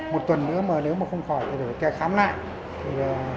một tuần nữa mà nếu mà không khỏi thì phải khe khám lại